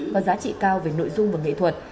có giá trị cao về nội dung và nghệ thuật